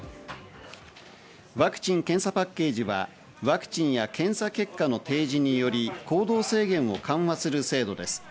ワクチン・検査パッケージはワクチンや検査結果の提示により、行動制限を緩和する制度です。